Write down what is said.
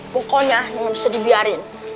pokoknya jangan sedih biarin